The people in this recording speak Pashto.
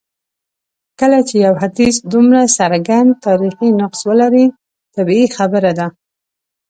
کله چي یو حدیث دومره څرګند تاریخي نقص ولري طبیعي خبره ده.